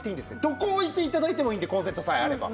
どこ置いて頂いてもいいんでコンセントさえあれば。